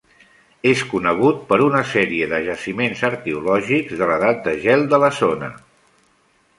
És conegut per una sèrie de jaciments arqueològics de l'Edat de Gel de la zona.